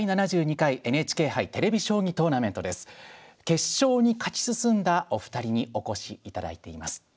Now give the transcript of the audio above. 決勝に勝ち進んだお二人にお越しいただいています。